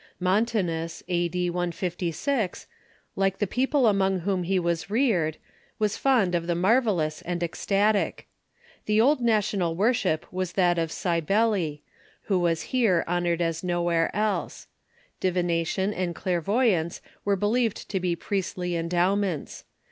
Montanus, a.d. 156, like the people among whom he was reared, was fond of the marvellous and ecstatic. The old na tional worship Avas that of Cybele, who was here hon Pian of Qred as nowhere else. Divination and clairvoyance Montanus ..•'.. were believed to be priestly endowments.